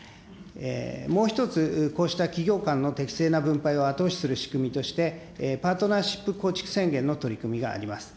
もう一つ、こうした企業間の適正な分配を後押しする仕組みとして、パートナーシップ構築宣言の取り組みがあります。